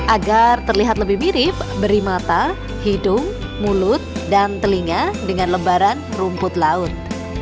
agar terlihat lebih mirip beri mata hidung mulut dan telinga dengan lembaran rumput laut